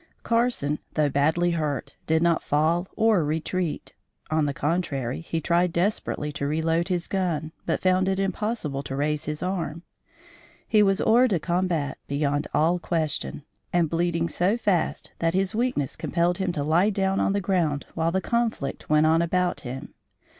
Carson though badly hurt, did not fall or retreat. On the contrary, he tried desperately to reload his gun, but found it impossible to raise his arm. He was hors de combat beyond all question, and bleeding so fast that his weakness compelled him to lie down on the ground while the conflict went on about him.